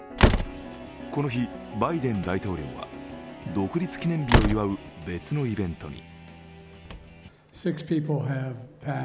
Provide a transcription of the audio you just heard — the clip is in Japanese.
この日、バイデン大統領は独立記念日を祝う別のイベントに。